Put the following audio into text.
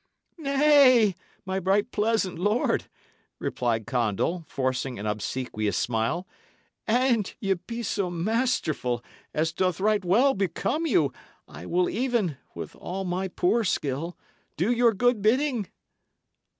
"Nay, my right pleasant lord," replied Condall, forcing an obsequious smile, "an ye be so masterful, as doth right well become you, I will even, with all my poor skill, do your good bidding."